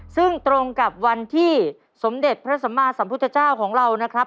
ซึ่งตรงกับวันที่สมเด็จพระสัมมาสัมพุทธเจ้าของเรานะครับ